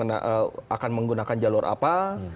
akan menggunakan jalur apa